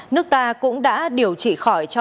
nước ta cũng đã điều trị khỏi cho năm bốn trăm năm mươi bảy